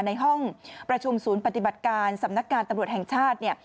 ในห้องประชุมศูนย์ปฏิบัติการสำนักงานตำรวจแห่งชาติเนี่ย